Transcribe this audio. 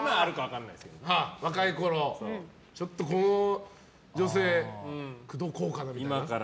若いころちょっとこの女性口説こうかな。